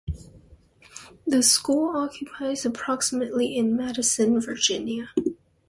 The school occupies approximately in Madison, Virginia.